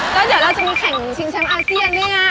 ก็เดี๋ยวเราจะมาแข่งชิงแชมป์อาเซียนด้วยนะ